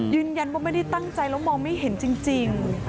ยืนยันว่าไม่ได้ตั้งใจแล้วมองไม่เห็นจริง